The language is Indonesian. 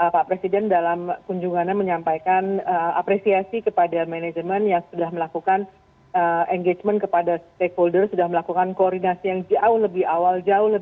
pak presiden dalam kunjungannya menyampaikan apresiasi kepada manajer